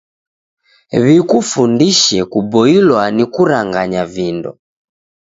W'ikufundishe kuboilwa ni kuranganya vindo.